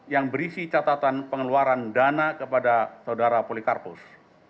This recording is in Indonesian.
yang berisi catatan pengeluaran dana kepada saudara polikarpus